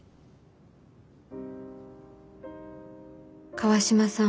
「川島さん